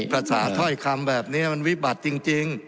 ถ้อยคำแบบนี้มันวิบัติจริง